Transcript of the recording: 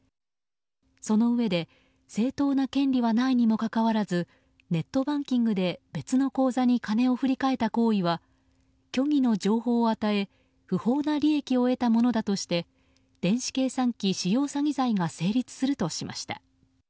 そのうえで正当な権利はないにもかかわらずネットバンキングで別の口座に金を振り替えた行為は虚偽の情報を与え不法な利益を得たものだとして電子計算機使用詐欺罪が成立するとしました。